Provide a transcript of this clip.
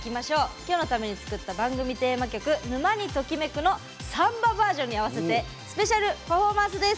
今日のために作った番組テーマ曲「沼にときめく！」のサンババージョンに合わせてスペシャルパフォーマンスです。